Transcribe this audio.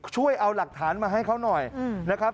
ช่วยเอาหลักฐานมาให้เขาหน่อยนะครับ